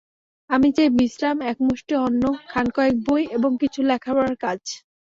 আমি চাই বিশ্রাম, একমুষ্টি অন্ন, খানকয়েক বই এবং কিছু লেখাপড়ার কাজ।